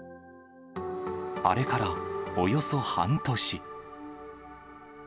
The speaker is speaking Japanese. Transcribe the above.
あれからおよそ半年。